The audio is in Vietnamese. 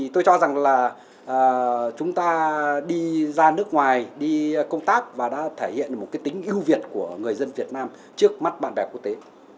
tôi cho rằng là chúng ta đi ra nước ngoài đi công tác và đã thể hiện một tính ưu việt của người dân việt nam trước mắt bạn bè quốc tế